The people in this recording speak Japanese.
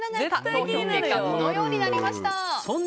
投票結果はこのようになりました。